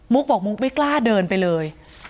บอกมุกไม่กล้าเดินไปเลย